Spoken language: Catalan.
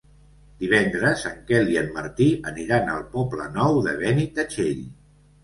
Divendres en Quel i en Martí aniran al Poble Nou de Benitatxell.